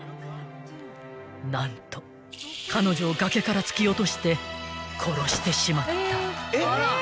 ［何と彼女を崖から突き落として殺してしまった］